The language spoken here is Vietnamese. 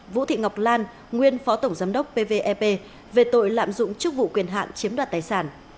vũ thị ngọc lan nguyên phó tổng giám đốc pvep về tội lạm dụng chức vụ quyền hạn chiếm đoạt tài sản